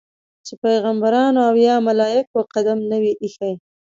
چې پیغمبرانو او یا ملایکو قدم نه وي ایښی.